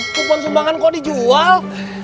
bukwan sumbangan kok dijual